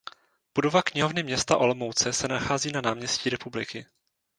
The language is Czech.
Budova Knihovny města Olomouce se nachází na náměstí Republiky.